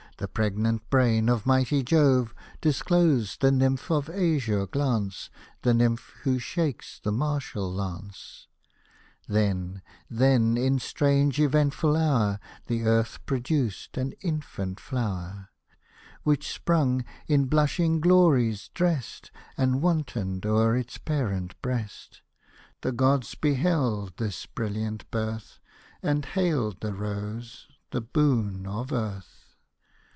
The pregnant brain of mighty Jove Disclosed the nymph of azure glance, The nymph who shakes the martial lance ;— Hosted by Google 246 ODES OF ANACREON Then, then, in strange eventful hour, The earth produced an infant flower, Which sprung, in bkishing glories drest, And wantoned o'er its parent breast. The gods beheld this brilliant birth, And hailed the Rose, the boon of earth